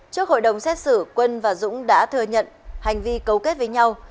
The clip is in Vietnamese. trước hội đồng xét xử quân và dũng đã thừa nhận hành vi cấu kết với nhau